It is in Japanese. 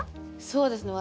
そうですね。